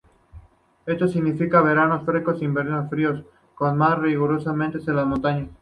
Esto significa veranos frescos e inviernos fríos, con más rigurosidad en las montañas.